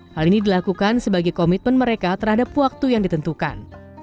hal ini dilakukan sebagai komitmen mereka terhadap waktu yang ditentukan